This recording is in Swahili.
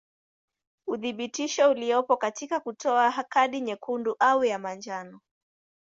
Uthibitisho uliopo katika kutoa kadi nyekundu au ya njano.